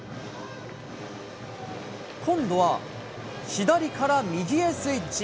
今度は、左から右へスイッチ。